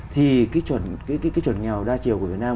thì cái chuẩn nghèo đa chiều của việt nam